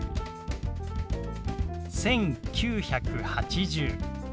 「１９８０」。